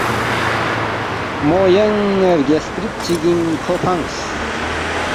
مو ینگ رگیاسترِد چگِنگ کھو فنگس